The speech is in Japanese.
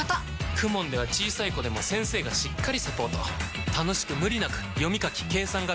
ＫＵＭＯＮ では小さい子でも先生がしっかりサポート楽しく無理なく読み書き計算が身につきます！